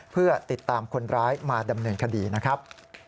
เพื่อติดตามคนร้ายมาดำเนินคดีนะครับ